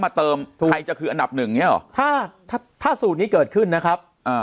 มาเติมให้ถืออันดับหนึ่งฉันถ้าถ้าสูตรนี้เกิดขึ้นนะครับ